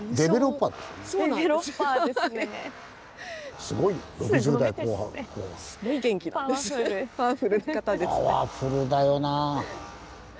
パワフルだよなあ。